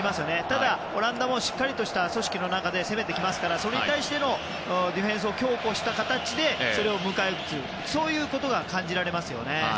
ただ、オランダもしっかりとした組織の中で攻めてきますから、それに対してディフェンスを強固にした形でそれを迎え撃つということが感じられますよね。